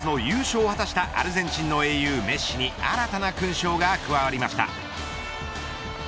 カタールワールドカップで自身初の優勝を果たしたアルゼンチンの英雄メッシに新たな勲章が加わりました。